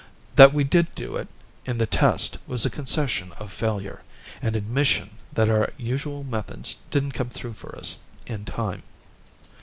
That we did do it in the test was a concession of failure an admission that our usual methods didn't come through for us in time.